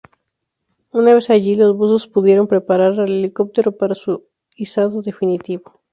Una vez allí los buzos pudieron preparar al helicóptero para su izado definitivo.